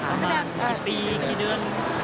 มากี่ปีกี่เดือน